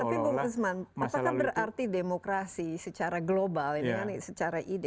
tapi bu guzman apakah berarti demokrasi secara global ini secara ide